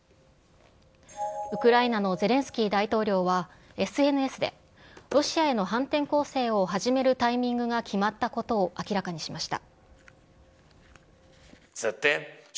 ウクライナのゼレンスキー大統領は、ＳＮＳで、ロシアへの反転攻勢を始めるタイミングが決まったことを明らかにしました。